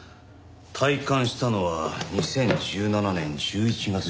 退官したのは２０１７年１１月１２日。